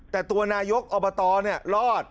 แต่ตัวนายกอบตเนี่ยรอด